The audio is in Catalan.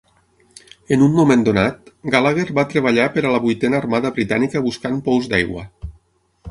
En un moment donat, Gallagher va treballar per a la Vuitena Armada Britànica buscant pous d'aigua.